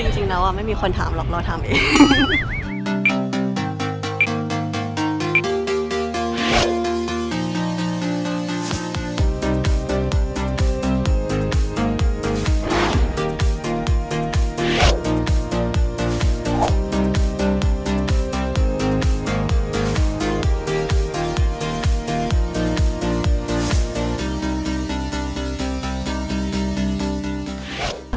จริงแล้วไม่มีคนถามหรอกเราทำเอง